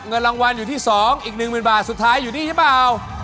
เงินรางวัลอยู่ที่๒อีก๑๐๐๐บาทสุดท้ายอยู่นี่หรือเปล่า